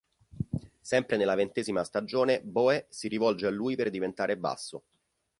Sempre nella ventesima stagione Boe si rivolge a lui per diventare basso.